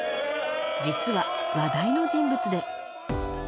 実は、話題の人物で。